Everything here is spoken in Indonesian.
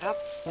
ya udah mak